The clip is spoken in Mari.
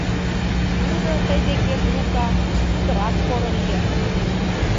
Тудо тый декет, Лука, путырак поро лийын.